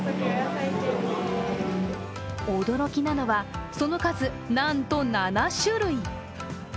驚きなのは、その数なんと７種類。